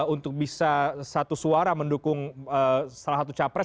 untuk bisa satu suara mendukung salah satu capres